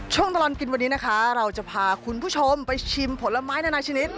ตลอดกินวันนี้นะคะเราจะพาคุณผู้ชมไปชิมผลไม้นานาชนิด